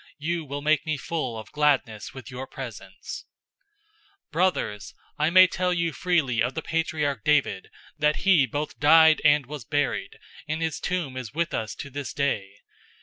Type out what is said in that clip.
You will make me full of gladness with your presence.'{Psalm 16:8 11} 002:029 "Brothers, I may tell you freely of the patriarch David, that he both died and was buried, and his tomb is with us to this day.